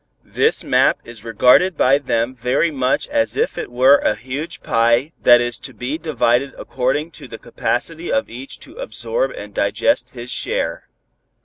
This map is regarded by them very much as if it were a huge pie that is to be divided according to the capacity of each to absorb and digest his share.